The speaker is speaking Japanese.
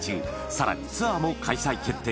さらにツアーも開催決定